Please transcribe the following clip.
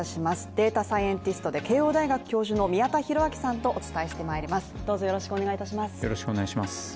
データサイエンティストで慶応大学教授の宮田裕章さんとお伝えしてまいります。